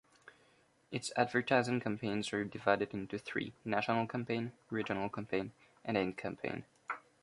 Its advertising campaigns are divided into three; national campaign, regional campaign and aid campaign.